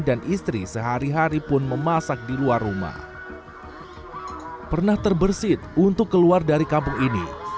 dan istri sehari hari pun memasak di luar rumah pernah terbersih untuk keluar dari kampung ini